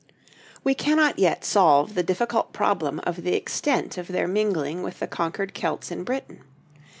We cannot yet solve the difficult problem of the extent of their mingling with the conquered Celts in Britain.